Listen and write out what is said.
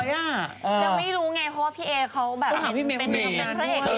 แล้วไม่รู้ไงเพราะว่าพี่เอ๊เขาแบบเป็นผู้นักงานพี่เอ๊